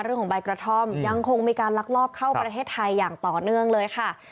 เรื่องของใบกระท่อมยังคงมีการลักลอบเข้าประเทศไทยอย่างต่อเนื่องเลยค่ะ